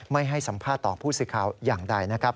ไม่ให้สัมภาษณ์ต่อผู้สื่อข่าวอย่างใดนะครับ